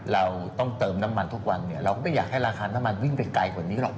เราต้องเติมน้ำมันทุกวันเนี่ยเราก็ไม่อยากให้ราคาน้ำมันวิ่งไปไกลกว่านี้หรอก